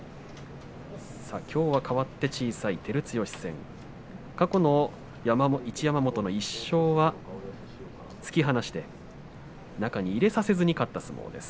きょうはかわって小さい照強戦過去の一山本の１勝は突き放して中に入れさせずに勝った相撲です。